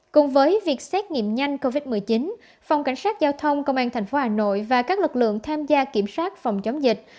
cùng với việc xét nghiệm nhanh covid một mươi chín phòng cảnh sát giao thông công an tp hà nội và các lực lượng tham gia kiểm soát phòng chống dịch